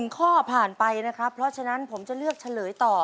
ข้อผ่านไปนะครับเพราะฉะนั้นผมจะเลือกเฉลยต่อ